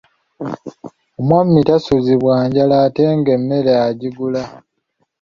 Omwami tasuzibwa njala ate ng'emmere agigula.